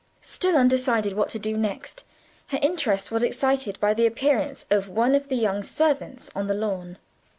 Still undecided what to do next, her interest was excited by the appearance of one of the servants on the lawn.